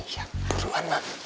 ya buruan ma